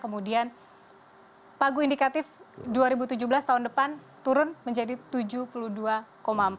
kemudian pagu indikatif dua ribu tujuh belas tahun depan turun menjadi tujuh puluh dua empat